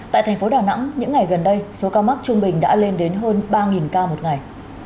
tại thành phố đà nẵng những ngày gần đây số ca mắc trung bình đã lên đến hơn ba ca một ngày